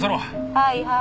はいはい。